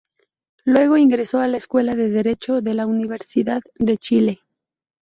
Luego ingreso a la escuela de Derecho de la Universidad de Chile.